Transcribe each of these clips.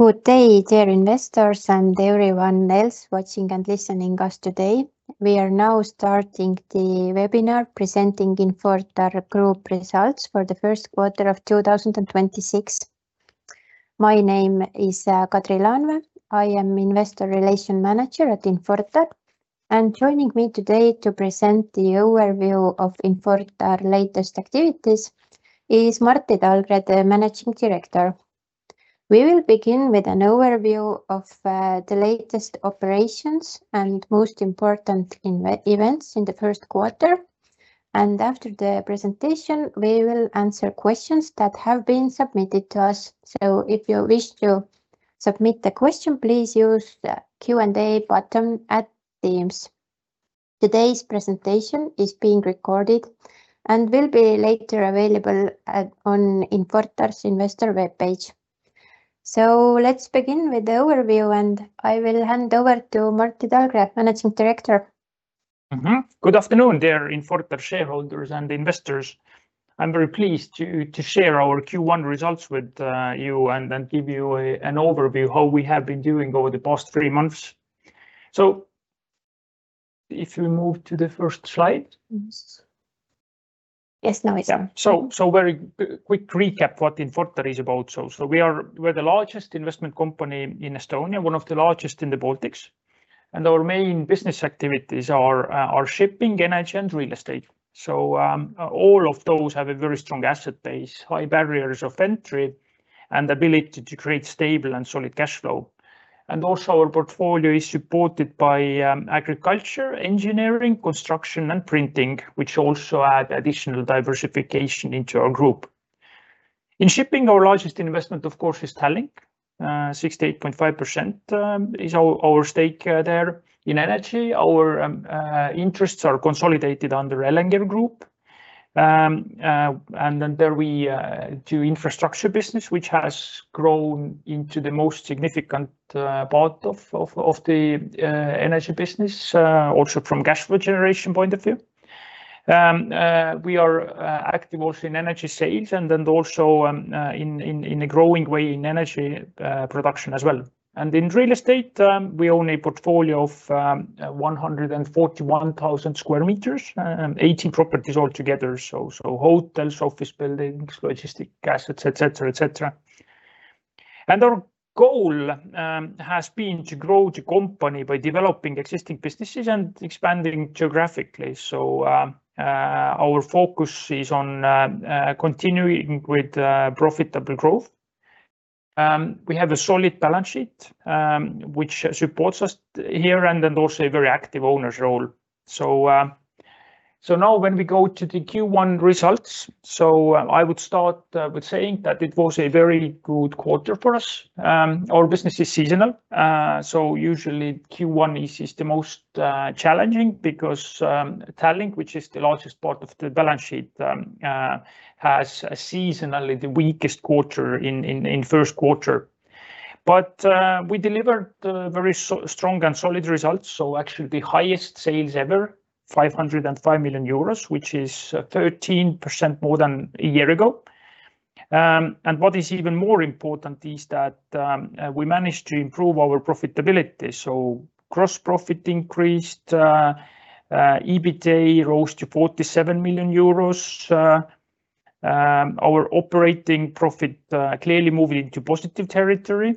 Good day, dear investors and everyone else watching and listening us today. We are now starting the webinar presenting Infortar Group results for the Q1 of 2026. My name is Kadri Laanvee. I am Investor Relations Manager at Infortar, and joining me today to present the overview of Infortar latest activities is Martti Talgre, the Managing Director. We will begin with an overview of the latest operations and most important events in the Q1, and after the presentation, we will answer questions that have been submitted to us. If you wish to submit a question, please use the Q&A button at Teams. Today's presentation is being recorded and will be later available on Infortar's investor webpage. Let's begin with the overview, and I will hand over to Martti Talgre, Managing Director. Good afternoon, dear Infortar shareholders and investors. I'm very pleased to share our Q1 results with you and then give you an overview how we have been doing over the past three months. If we move to the first slide. Yes. Yes, now it's on. Yeah. very quick recap what Infortar is about. we're the largest investment company in Estonia, one of the largest in the Baltics, and our main business activities are shipping, energy, and real estate. All of those have a very strong asset base, high barriers of entry, and ability to create stable and solid cashflow. Also our portfolio is supported by agriculture, engineering, construction, and printing, which also add additional diversification into our group. In shipping, our largest investment, of course, is Tallink. 68.5% is our stake there. In energy, our interests are consolidated under Elenger Group. Then there we do infrastructure business, which has grown into the most significant part of the energy business, also from cashflow generation point of view. We are active also in energy sales and then also in a growing way in energy production as well. In real estate, we own a portfolio of 141,000 sq m, 18 properties altogether, so hotels, office buildings, logistic assets, et cetera, et cetera. Our goal has been to grow the company by developing existing businesses and expanding geographically. Our focus is on continuing with profitable growth. We have a solid balance sheet, which supports us here and then also a very active owner's role. Now when we go to the Q1 results, I would start with saying that it was a very good quarter for us. Our business is seasonal. Usually Q1 is the most challenging because Tallink, which is the largest part of the balance sheet, has seasonally the weakest quarter in Q1. We delivered very strong and solid results, actually the highest sales ever, 505 million euros, which is 13% more than a year ago. What is even more important is that we managed to improve our profitability. Gross profit increased. EBITDA rose to 47 million euros. Our operating profit clearly moving into positive territory.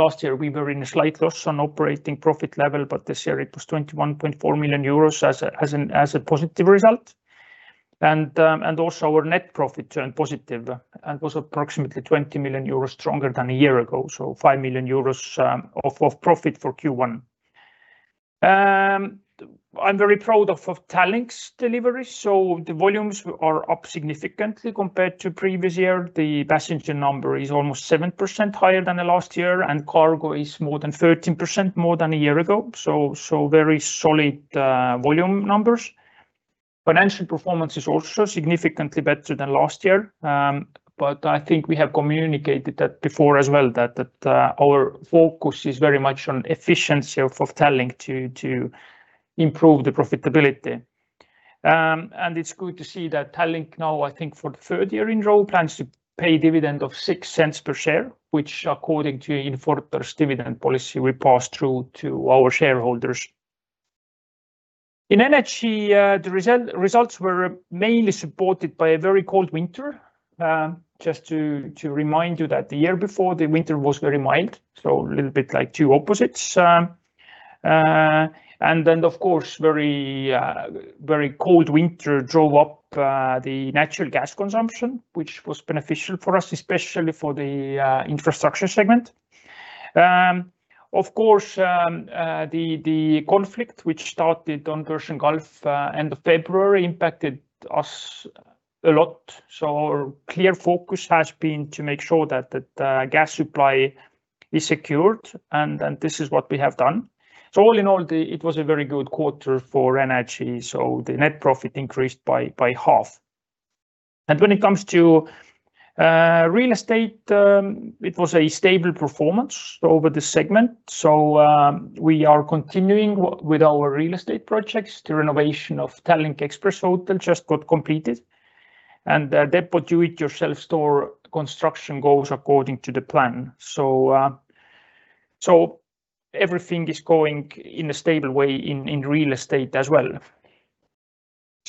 Last year, we were in a slight loss on operating profit level, but this year it was 21.4 million euros as a positive result. Also our net profit turned positive and was approximately 20 million euros stronger than a year ago, so 5 million euros of profit for Q1. I'm very proud of Tallink's delivery. The volumes are up significantly compared to previous year. The passenger number is almost 7% higher than the last year, and cargo is more than 13% more than a year ago, so very solid volume numbers. Financial performance is also significantly better than last year. I think we have communicated that before as well that our focus is very much on efficiency of Tallink to improve the profitability. It's good to see that Tallink now, I think for the third year in a row, plans to pay dividend of 0.06 per share, which according to Infortar's dividend policy we pass through to our shareholders. In energy, the results were mainly supported by a very cold winter. Just to remind you that the year before, the winter was very mild, so a little bit like two opposites. Of course, very cold winter drove up the natural gas consumption, which was beneficial for us, especially for the infrastructure segment. Of course, the conflict which started on Persian Gulf end of February impacted us a lot. Our clear focus has been to make sure that the gas supply is secured and this is what we have done. All in all, it was a very good quarter for energy, the net profit increased by half. When it comes to real estate, it was a stable performance over the segment. We are continuing with our real estate projects. The renovation of Tallink Express Hotel just got completed, and Depo DIY store construction goes according to the plan. Everything is going in a stable way in real estate as well.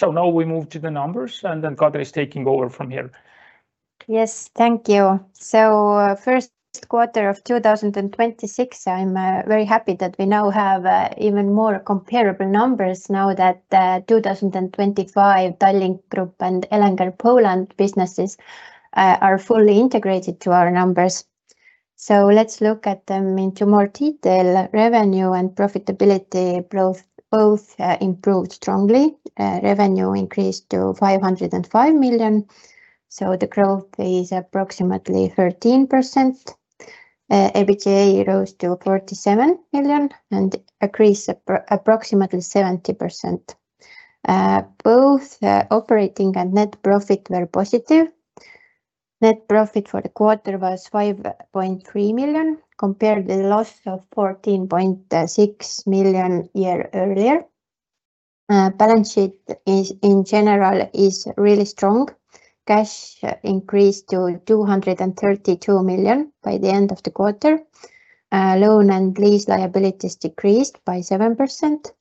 Now we move to the numbers, and then Kadri is taking over from here. Yes. Thank you. Q1 of 2026, I'm very happy that we now have even more comparable numbers now that 2025 Tallink Group and Elenger Polska businesses are fully integrated to our numbers. Let's look at them into more detail. Revenue and profitability both improved strongly. Revenue increased to 505 million, so the growth is approximately 13%. EBITDA rose to 47 million and increased approximately 70%. Both operating and net profit were positive. Net profit for the quarter was 5.3 million, compared the loss of 14.6 million year earlier. Balance sheet is in general really strong. Cash increased to 232 million by the end of the quarter. Loan and lease liabilities decreased by 7%.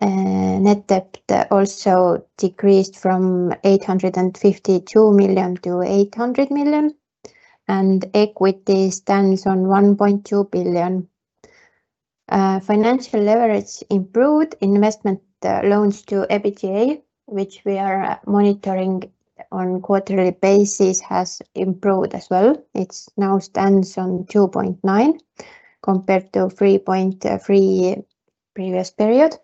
Net debt also decreased from 852 million to 800 million, and equity stands on 1.2 billion. Financial leverage improved investment loans to EBITDA, which we are monitoring on quarterly basis has improved as well. It now stands on 2.9 compared to 3.3 previous period.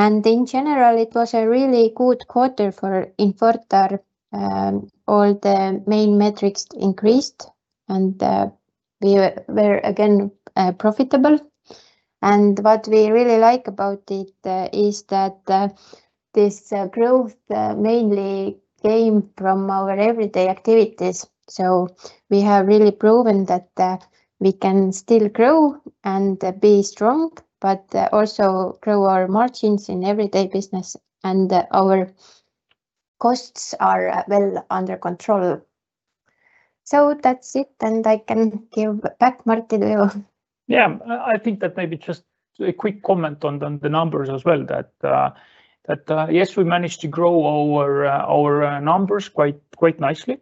In general, it was a really good quarter for Infortar. All the main metrics increased, and we were again profitable. What we really like about it is that this growth mainly came from our everyday activities. We have really proven that we can still grow and be strong, but also grow our margins in everyday business and our costs are well under control. That's it, and I can give back Martti now. Yeah. I think that maybe just a quick comment on the numbers as well that yes, we managed to grow our numbers quite nicely.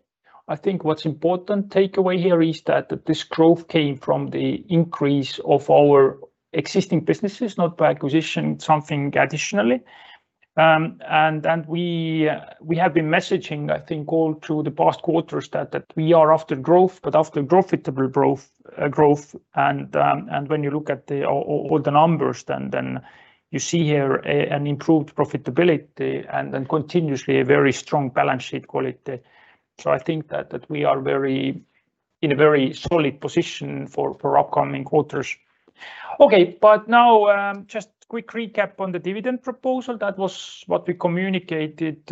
I think what's important takeaway here is that this growth came from the increase of our existing businesses, not by acquisition something additionally. We have been messaging, I think, all through the past quarters that we are after growth, but after profitable growth, and when you look at the numbers, you see here an improved profitability and continuously a very strong balance sheet quality. I think that we are in a very solid position for upcoming quarters. Okay, now just quick recap on the dividend proposal. That was what we communicated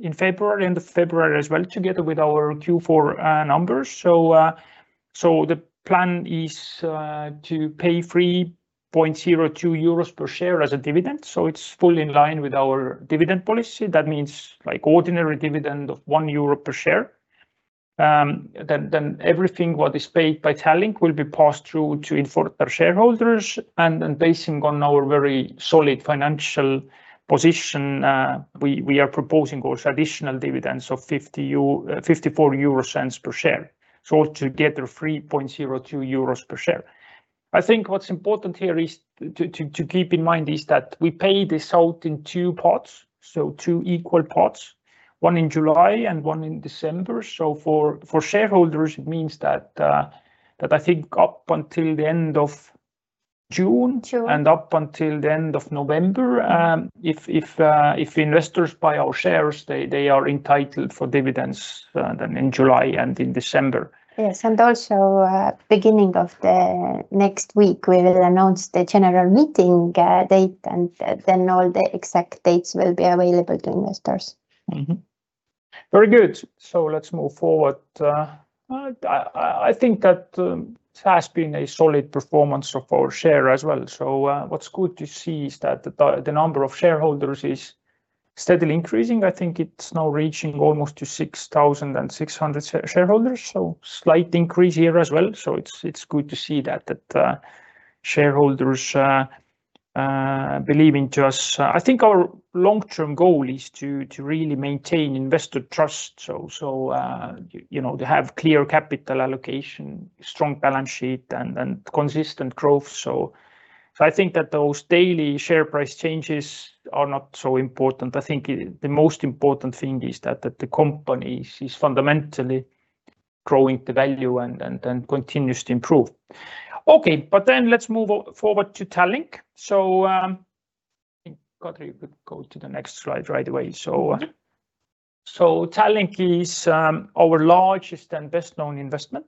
in February, end of February as well together with our Q4 numbers. The plan is to pay 3.02 euros per share as a dividend, it's fully in line with our dividend policy. That means, like ordinary dividend of 1 euro per share. Everything what is paid by Tallink will be passed through to Infortar shareholders and basing on our very solid financial position, we are proposing also additional dividends of 0.54 per share. Together, 3.02 euros per share. I think what's important here is to keep in mind is that we pay this out in two parts, two equal parts. One in July and one in December. For shareholders, it means that I think up until the end of June. June.... and up until the end of November, if investors buy our shares, they are entitled for dividends, then in July and in December. Yes. Also, beginning of the next week, we'll announce the general meeting date, and then all the exact dates will be available to investors. Very good. Let's move forward. I think that it has been a solid performance of our share as well. What's good to see is that the number of shareholders is steadily increasing. I think it's now reaching almost to 6,600 shareholders, slight increase here as well. It's good to see that shareholders believe in to us. I think our long-term goal is to really maintain investor trust. You know, to have clear capital allocation, strong balance sheet, and consistent growth. I think that those daily share price changes are not so important. I think the most important thing is that the company is fundamentally growing the value and continues to improve. Okay, let's move forward to Tallink. I think, Kadri, you could go to the next slide right away. Mm-hmm. Tallink is our largest and best-known investment,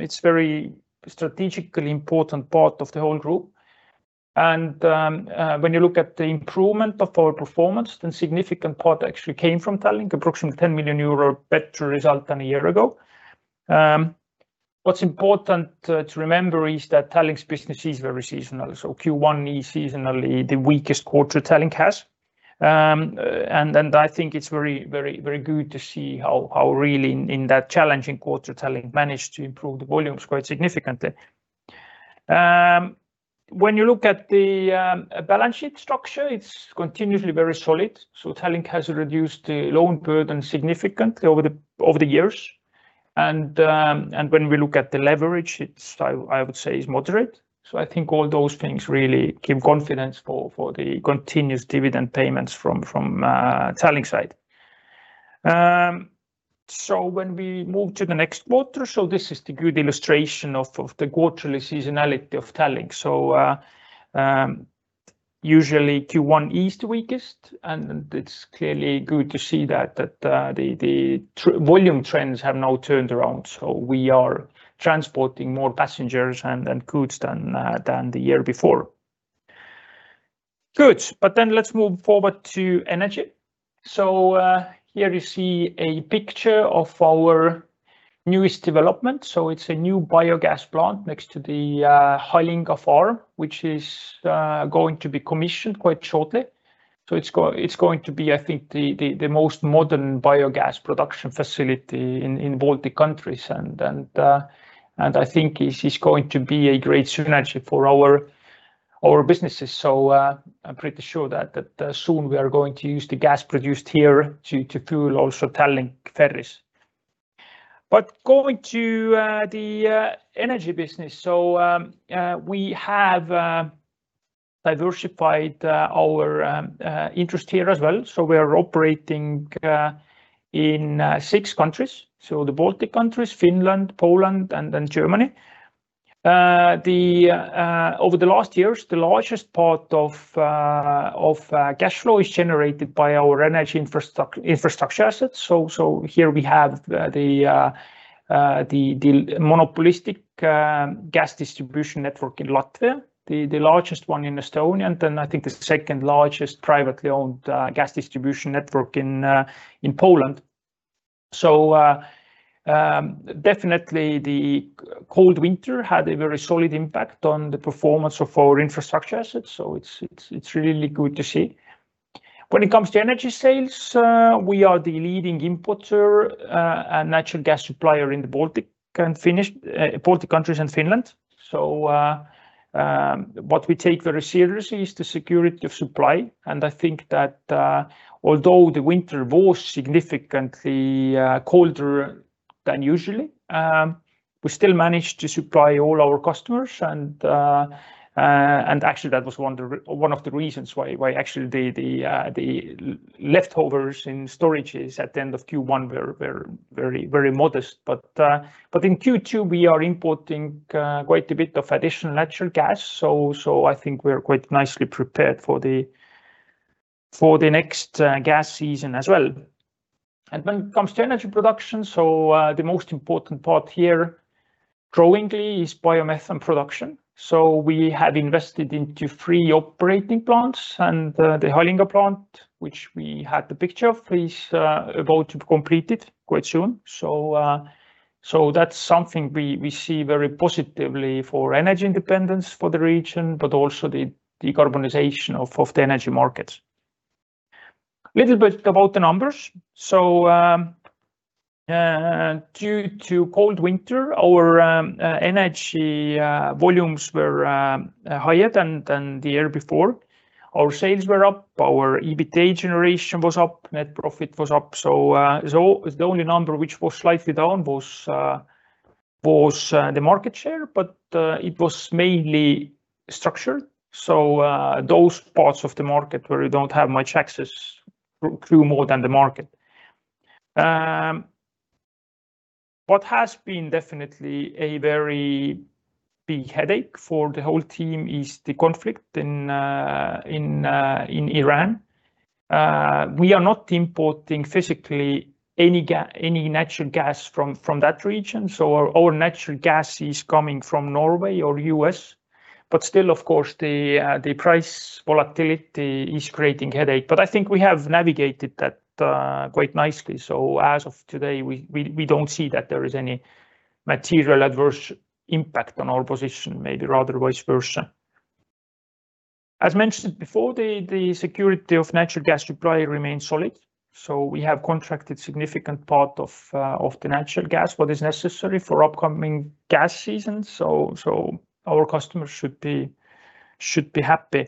it's very strategically important part of the whole Group. When you look at the improvement of our performance, significant part actually came from Tallink, approximately 10 million euro better result than a year ago. What's important to remember is that Tallink's business is very seasonal, Q1 is seasonally the weakest quarter Tallink has. I think it's very good to see how really in that challenging quarter Tallink managed to improve the volumes quite significantly. When you look at the balance sheet structure, it's continuously very solid. Tallink has reduced the loan burden significantly over the years. When we look at the leverage, I would say is moderate. I think all those things really give confidence for the continuous dividend payments from Tallink side. When we move to the next quarter, this is the good illustration of the quarterly seasonality of Tallink. Usually Q1 is the weakest, and it's clearly good to see that the volume trends have now turned around. We are transporting more passengers and then goods than the year before. Good. Let's move forward to energy. Here you see a picture of our newest development. It's a new biogas plant next to the Halinga farm, which is going to be commissioned quite shortly. It's going to be, I think, the most modern biogas production facility in both the countries and I think is going to be a great synergy for our businesses. I'm pretty sure that soon we are going to use the gas produced here to fuel also Tallink ferries. Going to the energy business. We have diversified our interest here as well. We are operating in six countries, the Baltic countries, Finland, Poland, and then Germany. Over the last years, the largest part of cash flow is generated by our energy infrastructure assets. Here we have the monopolistic gas distribution network in Latvia, the largest one in Estonia, and I think the second largest privately owned gas distribution network in Poland. Definitely the cold winter had a very solid impact on the performance of our infrastructure assets, so it's really good to see. When it comes to energy sales, we are the leading importer and natural gas supplier in the Baltic and Finnish Baltic countries and Finland. What we take very seriously is the security of supply. I think that, although the winter was significantly colder than usually, we still managed to supply all our customers and actually that was one of the reasons why actually the leftovers in storages at the end of Q1 were very modest. In Q2, we are importing quite a bit of additional natural gas, so I think we're quite nicely prepared for the next gas season as well. When it comes to energy production, the most important part here growingly is biomethane production. We have invested into three operating plants and the OÜ Halinga plant, which we had the picture of, is about to be completed quite soon. That's something we see very positively for energy independence for the region, but also the carbonization of the energy markets. Little bit about the numbers. Due to cold winter, our energy volumes were higher than the year before. Our sales were up, our EBITDA generation was up, net profit was up. The only number which was slightly down was the market share, but it was mainly structured. Those parts of the market where you don't have much access grew more than the market. What has been definitely a very big headache for the whole team is the conflict in Iran. We are not importing physically any natural gas from that region, our natural gas is coming from Norway or U.S. Still, of course, the price volatility is creating headache. I think we have navigated that quite nicely. As of today, we don't see that there is any material adverse impact on our position, maybe rather vice versa. As mentioned before, the security of natural gas supply remains solid. We have contracted significant part of the natural gas, what is necessary for upcoming gas seasons. Our customers should be happy.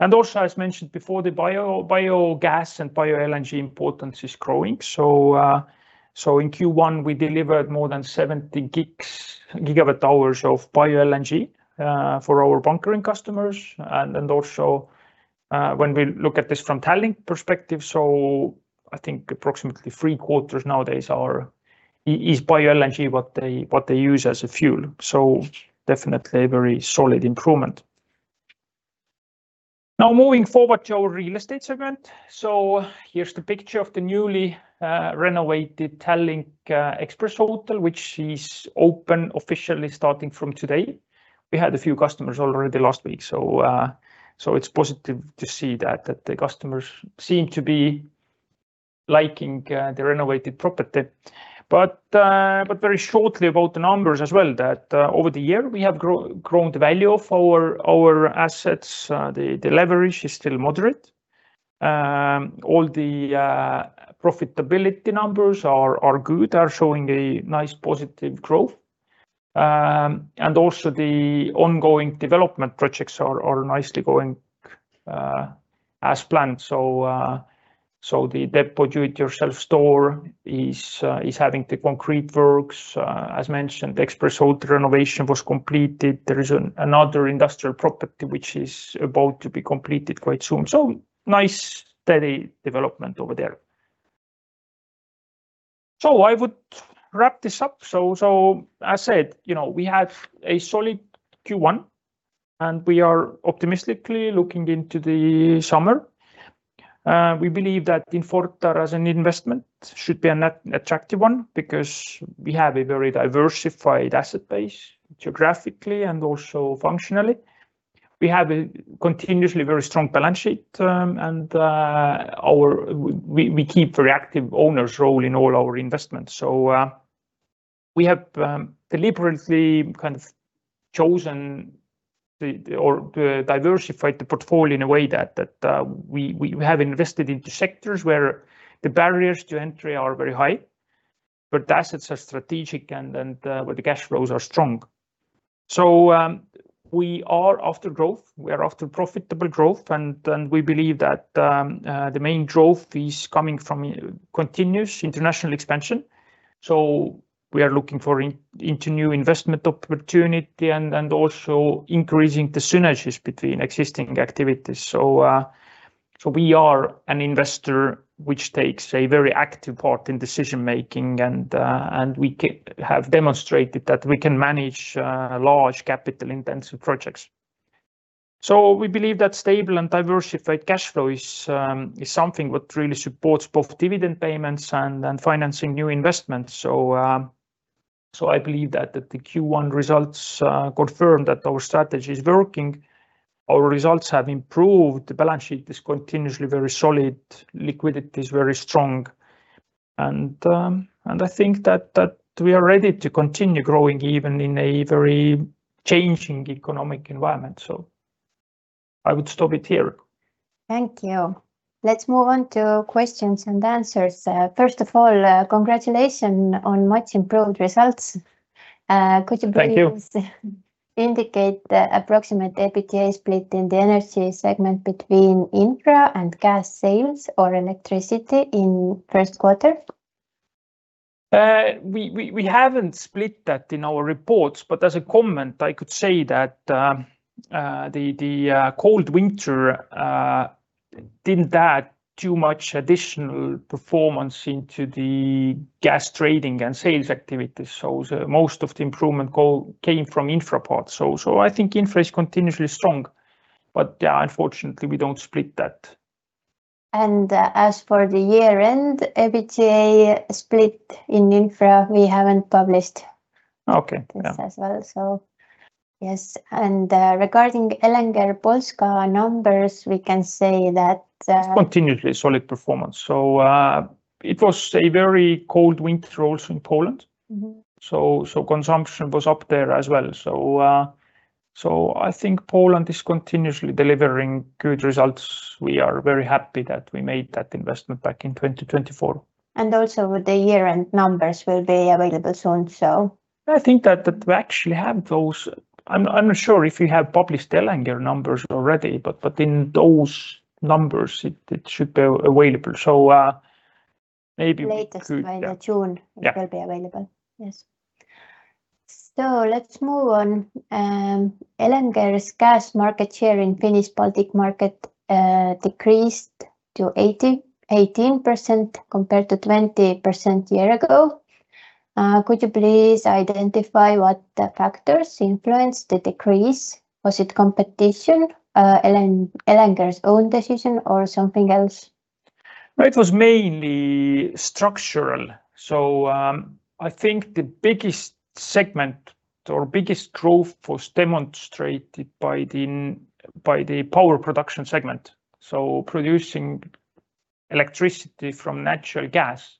Also, as mentioned before, the bio-biogas and bio-LNG importance is growing. In Q1, we delivered more than 70 GWh of bio-LNG for our bunkering customers. When we look at this from Tallink perspective, I think approximately three quarters nowadays is bio-LNG, what they, what they use as a fuel. Definitely a very solid improvement. Moving forward to our real estate segment. Here's the picture of the newly renovated Tallink Express Hotel, which is open officially starting from today. We had a few customers already last week, it's positive to see that the customers seem to be liking the renovated property. Very shortly about the numbers as well that over the year we have grown the value of our assets. The leverage is still moderate. All the profitability numbers are good, are showing a nice positive growth. Also the ongoing development projects are nicely going as planned. The Depo DIY store is having the concrete works. As mentioned, the Tallink Express Hotel renovation was completed. There is another industrial property which is about to be completed quite soon. Nice steady development over there. I would wrap this up. As said, you know, we have a solid Q1, we are optimistically looking into the summer. We believe that Infortar as an investment should be an attractive one, because we have a very diversified asset base geographically and also functionally. We have a continuously very strong balance sheet, and we keep very active owners role in all our investments. We have deliberately kind of chosen the, or, diversified the portfolio in a way that we have invested into sectors where the barriers to entry are very high, but the assets are strategic and where the cash flows are strong. We are after growth, we are after profitable growth, and we believe that the main growth is coming from continuous international expansion. We are looking for into new investment opportunity and also increasing the synergies between existing activities. We are an investor which takes a very active part in decision-making and we have demonstrated that we can manage large capital intensive projects. We believe that stable and diversified cash flow is something what really supports both dividend payments and financing new investments. I believe that the Q1 results confirm that our strategy is working. Our results have improved. The balance sheet is continuously very solid. Liquidity is very strong. I think that we are ready to continue growing even in a very changing economic environment. I would stop it here. Thank you. Let's move on to questions and answers. First of all, congratulations on much improved results. Could you please. Thank you.... indicate the approximate EBITDA split in the energy segment between infra and gas sales or electricity in Q1? We haven't split that in our reports, but as a comment, I could say that the cold winter didn't add too much additional performance into the gas trading and sales activities. Most of the improvement call came from infra part. I think infra is continuously strong. Yeah, unfortunately we don't split that. As for the year-end EBITDA split in infra, we haven't published. Okay. Yeah. this as well, so yes. Regarding Elenger Polska numbers, we can say that. It's continuously solid performance. It was a very cold winter also in Poland. Mm-hmm. Consumption was up there as well. I think Poland is continuously delivering good results. We are very happy that we made that investment back in 2024. Also the year-end numbers will be available soon. I think that we actually have those. I'm not sure if we have published Elenger numbers already, but in those numbers it should be available. maybe we could, yeah. Latest by the June. Yeah. it'll be available. Yes. Let's move on. Elenger's gas market share in Finnish Baltic market decreased to 18% compared to 20% year ago. Could you please identify what factors influenced the decrease? Was it competition, Elenger's own decision or something else? It was mainly structural. I think the biggest segment or biggest growth was demonstrated by the power production segment, so producing electricity from natural gas.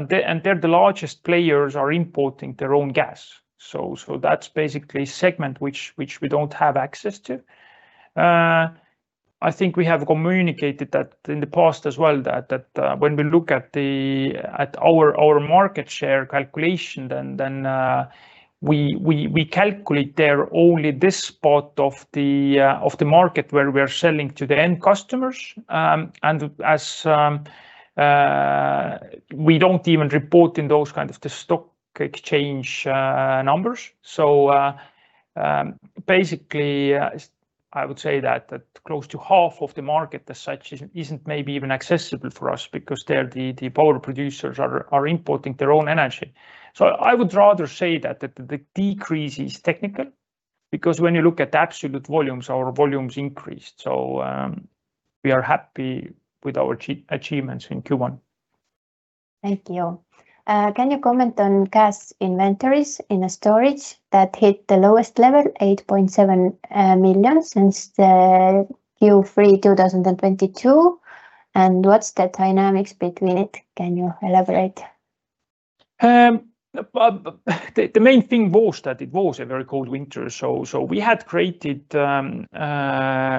They're the largest players are importing their own gas. That's basically segment which we don't have access to. I think we have communicated that in the past as well, that when we look at our market share calculation, then we calculate there only this part of the market where we are selling to the end customers. As we don't even report in those kind of the stock exchange numbers. Basically, I would say that close to half of the market as such isn't maybe even accessible for us because they're the power producers are importing their own energy. I would rather say that the decrease is technical because when you look at absolute volumes, our volumes increased. We are happy with our achievements in Q1. Thank you. Can you comment on gas inventories in a storage that hit the lowest level, 8.7 million since the Q3 2022, and what's the dynamics between it? Can you elaborate? The main thing was that it was a very cold winter. So we had created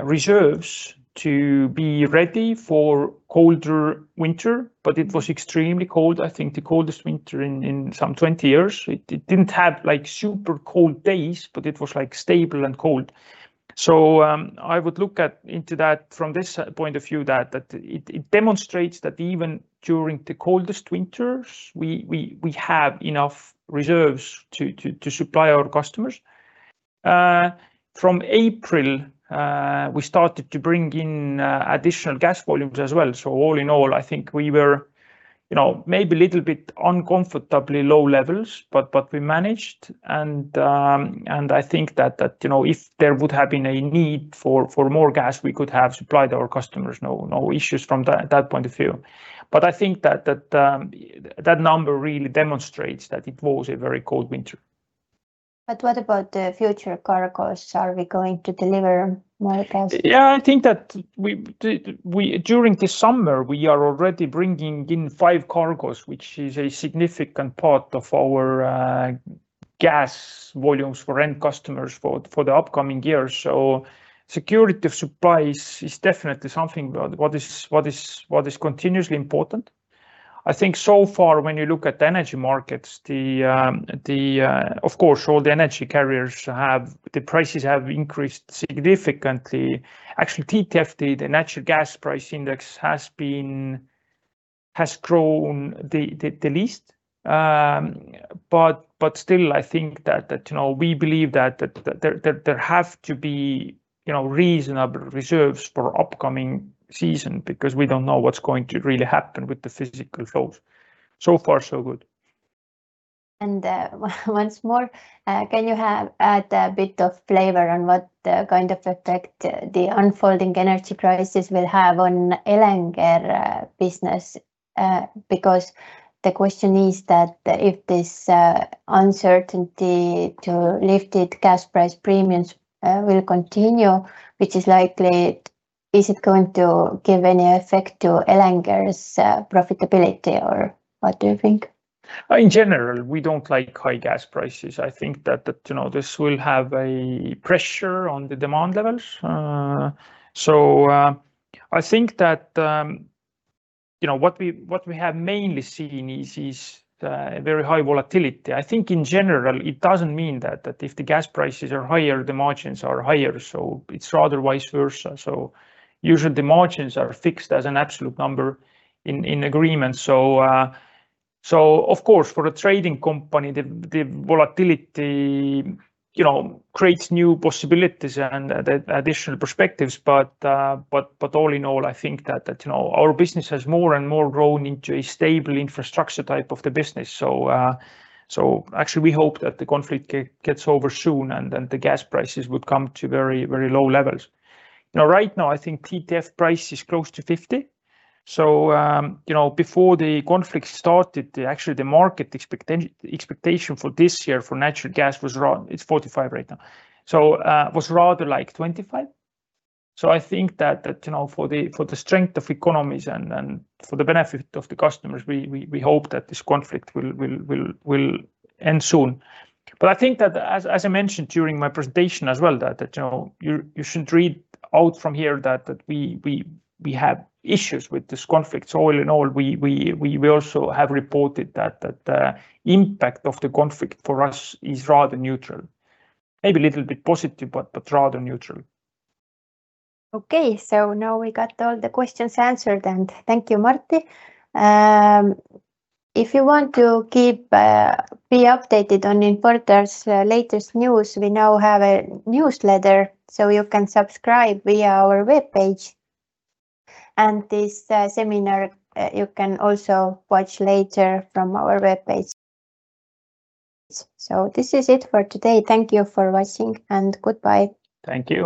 reserves to be ready for colder winter, but it was extremely cold. I think the coldest winter in some 20 years. It didn't have, like, super cold days, but it was, like, stable and cold. I would look at, into that from this point of view that it demonstrates that even during the coldest winters, we have enough reserves to supply our customers. From April, we started to bring in additional gas volumes as well. All in all, I think we were, you know, maybe a little bit uncomfortably low levels, but we managed. I think that, you know, if there would have been a need for more gas, we could have supplied our customers. No, no issues from that point of view. I think that number really demonstrates that it was a very cold winter. What about the future cargoes? Are we going to deliver more gas? Yeah, I think that we, during the summer, we are already bringing in five cargoes, which is a significant part of our gas volumes for end customers for the upcoming year. Security of supply is definitely something. What is continuously important, I think so far when you look at the energy markets, the, of course, all the energy carriers have. The prices have increased significantly. Actually, TTF, the natural gas price index has grown the least. Still I think that, you know, we believe that there have to be, you know, reasonable reserves for upcoming season because we don't know what's going to really happen with the physical flows. So far so good. Once more, can you add a bit of flavor on what kind of effect the unfolding energy prices will have on Elenger business? Because the question is that if this uncertainty to lifted gas price premiums will continue, which is likely, is it going to give any effect to Elenger's profitability, or what do you think? In general, we don't like high gas prices. I think that, you know, this will have a pressure on the demand levels. I think that, you know, what we, what we have mainly seen is very high volatility. I think in general it doesn't mean that if the gas prices are higher, the margins are higher. It's rather vice versa. Usually the margins are fixed as an absolute number in agreement. Of course for a trading company, the volatility, you know, creates new possibilities and additional perspectives. All in all, I think that, you know, our business has more and more grown into a stable infrastructure type of the business. Actually we hope that the conflict gets over soon, and then the gas prices would come to very, very low levels. You know, right now I think TTF price is close to 50. You know, before the conflict started, actually the market expectation for this year for natural gas was around. It's 45 right now. Was rather like 25. I think that, you know, for the strength of economies and for the benefit of the customers, we hope that this conflict will end soon. I think that as I mentioned during my presentation as well, that, you know, you should read out from here that we have issues with this conflict. All in all, we also have reported that impact of the conflict for us is rather neutral. Maybe a little bit positive, but rather neutral. Okay. Now we got all the questions answered, thank you, Martti. If you want to keep updated on Infortar's latest news, we now have a newsletter, so you can subscribe via our webpage. This seminar, you can also watch later from our webpage. This is it for today. Thank you for watching, and goodbye. Thank you.